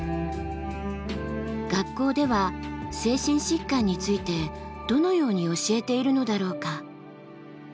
学校では精神疾患についてどのように教えているのだろうか。